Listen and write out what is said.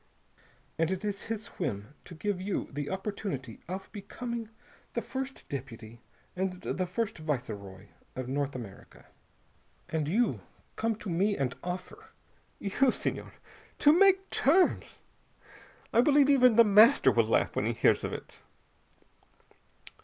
And it is his whim to give you the opportunity of becoming the first deputy and the first viceroy of North America. And you come to me and offer you, Senhor! to make terms! I believe even The Master will laugh when he hears of it."